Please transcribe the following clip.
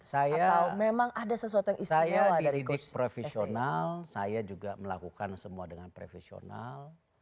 saya gini saya di didik profesional saya juga melakukan semua dengan profesional